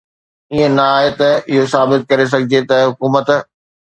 ائين نه آهي ته اهو ثابت ڪري سگهجي ته حڪومت